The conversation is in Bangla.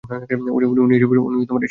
উনি এসবের মধ্যে কেন?